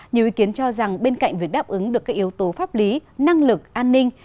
nhiều ý kiến cho rằng bên cạnh việc đáp ứng được các yếu tố pháp lý năng lực an ninh